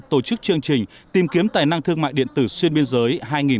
tổ chức chương trình tìm kiếm tài năng thương mại điện tử xuyên biên giới hai nghìn hai mươi